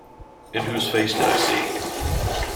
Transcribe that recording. And whose face did I see?